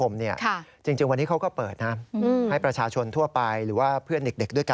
เล่นกับพวกเขาด้วย